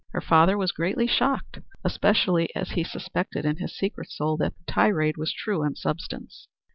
Her father was greatly shocked, especially as he suspected in his secret soul that the tirade was true in substance.